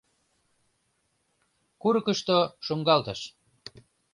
Курыкышто — шуҥгалтыш